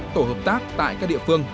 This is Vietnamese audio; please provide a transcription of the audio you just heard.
tổ hợp tác tại các địa phương